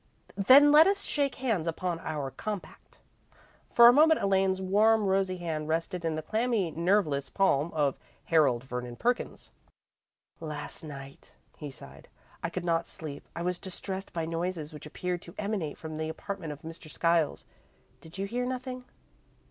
"Then let us shake hands upon our compact." For a moment, Elaine's warm, rosy hand rested in the clammy, nerveless palm of Harold Vernon Perkins. "Last night," he sighed, "I could not sleep. I was distressed by noises which appeared to emanate from the apartment of Mr. Skiles. Did you hear nothing?"